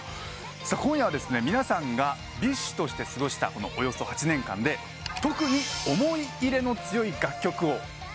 今夜は皆さんがＢｉＳＨとして過ごしたこのおよそ８年間で特に思い入れの強い楽曲を伺っていこうと思います。